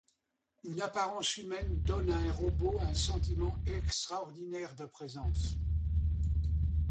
Une apparence humaine donne à un robot un sentiment extraordinaire de présence.